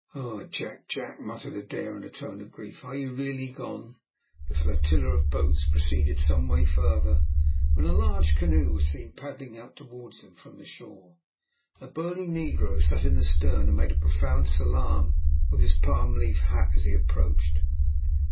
"Oh, Jack, Jack!" muttered Adair in a tone of grief, "are you really gone?" The flotilla of boats proceeded some way farther, when a large canoe was seen paddling out towards them from the shore. A burly negro sat in the stern and made a profound salaam with his palm leaf hat as he approached.